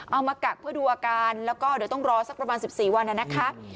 เอามากักเพื่อดูอาการแล้วก็เดี๋ยวต้องรอสักประมาณ๑๔วันนะคะ